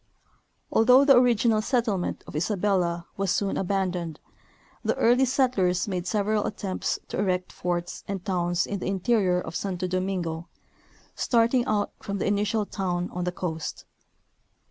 Although the original settlement of Isabella was soon aban doned, the early settlers made s^eral attempts to erect forts and towns in the interior of Santo Domingo, starting out from this initial town on the coast.